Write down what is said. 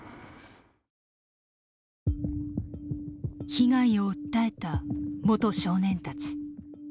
被害を訴えた元少年たち。